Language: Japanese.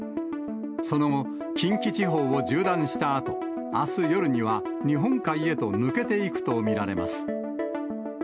その後、近畿地方を縦断したあと、あす夜には日本海へと抜けていくとみられます。